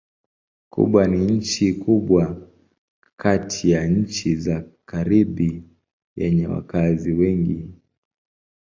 Kuba ni nchi kubwa kati ya nchi za Karibi yenye wakazi wengi.